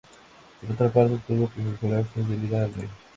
Por otra parte tuvo que jurar fidelidad al rey.